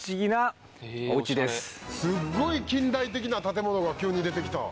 すっごい近代的な建物が急に出てきた！